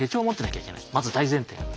まず大前提が。